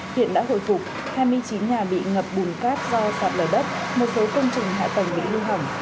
hiện đã hồi phục hai mươi chín nhà bị ngập bùn cát do sạt lở đất một số công trình hạ tầng bị hư hỏng